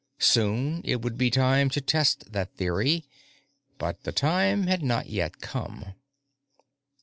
Soon it would be time to test that theory but the time had not yet come.